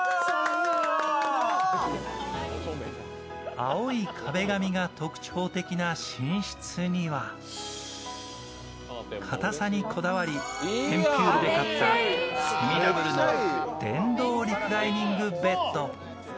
青い壁紙が特徴的な寝室にはかたさにこだわり、テンピュールで買ったセミダブルの電動リクライニングベッド。